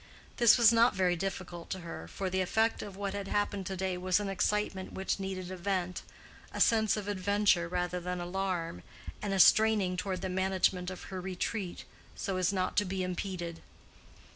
This was not very difficult to her, for the effect of what had happened to day was an excitement which needed a vent—a sense of adventure rather than alarm, and a straining toward the management of her retreat, so as not to be impeded.